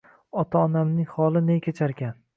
Ota-onamning holi ne kecharkan